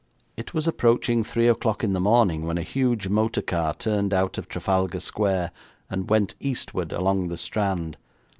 It was approaching three o'clock in the morning when a huge motor car turned out of Trafalgar Square, and went eastward along the Strand.